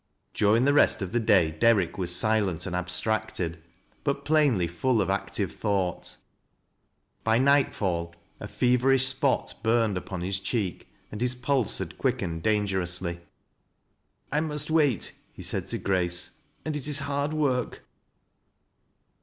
During the rest of the day Derrick was silent and abstracted, but plainly full of active thought. By night fall a feverish spot burned upon his cheek, and his pulse liad quickened dangerously. " I must wait," he said to Grace, " and it is hard work.'